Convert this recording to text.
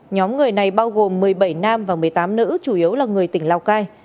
nhóm người này bao gồm một mươi bảy nam và một mươi tám nữ chủ yếu là người tỉnh lào cai